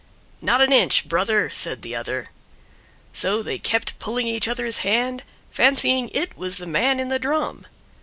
"Not an inch, brother," said the other. So they kept pulling each other's hand, fancying it was the man in the Drum.